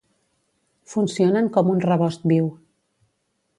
Funcionen com un rebost viu.